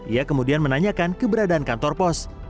ia kemudian menanyakan keberadaan kantor pos